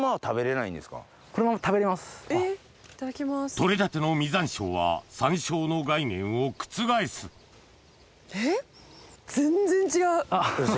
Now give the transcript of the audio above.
取れたての実山椒は山椒の概念を覆すウソ。